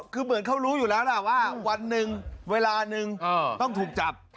คือเหมือนเขารู้อยู่แล้วล่ะว่าวันหนึ่งเวลานึงต้องถูกจับ